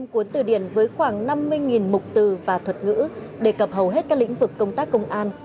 cuốn từ điển với khoảng năm mươi mục từ và thuật ngữ đề cập hầu hết các lĩnh vực công tác công an